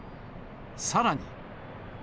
さらに。